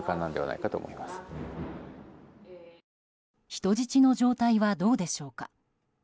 人質の状態はどうでしょうか。